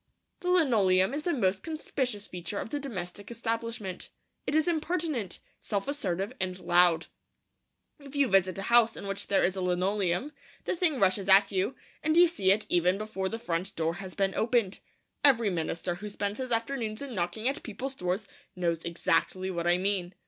The linoleum is the most conspicuous feature of the domestic establishment. It is impertinent, self assertive, and loud. If you visit a house in which there is a linoleum, the thing rushes at you, and you see it even before the front door has been opened. Every minister who spends his afternoons in knocking at people's doors knows exactly what I mean.